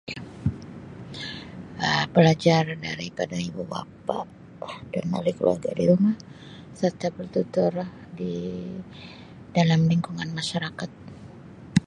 Um Belajar daripada Ibu-bapa dan ahli keluarga di rumah serta bertutur di dalam lingkungan masyarakat.